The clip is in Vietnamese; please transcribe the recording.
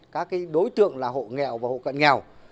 các đối tượng là hộ nghèo và hộ cận nghèo